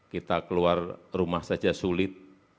kita keluar rumah saja sulit